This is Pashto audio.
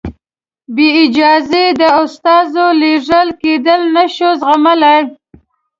بې اجازې د استازو لېږل کېدل نه شو زغملای.